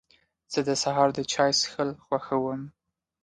زه د سهار د چای څښل خوښوم.